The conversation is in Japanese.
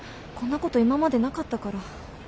こんなこと今までなかったから。